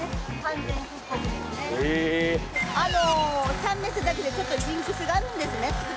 サンメッセだけでちょっとジンクスがあるんですね。